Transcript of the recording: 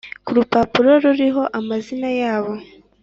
ku rupapuro ruriho amazina yabo